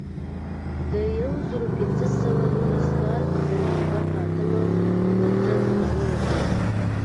د یو زرو پینځه سوه نولس کال د نومبر په اتمه کورټز راورسېد.